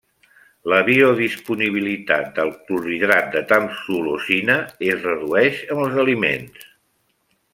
La biodisponibilitat del clorhidrat de tamsulosina es redueix amb els aliments.